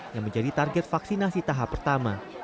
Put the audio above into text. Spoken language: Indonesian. yang menjadi target vaksinasi tahap pertama